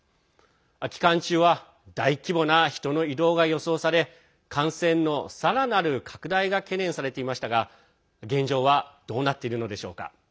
期間中は大規模な人の移動が予想され感染のさらなる拡大が懸念されていましたが現状はどうなっているのでしょうか。